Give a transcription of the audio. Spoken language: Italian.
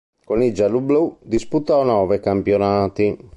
Con i gialloblu disputò nove campionati.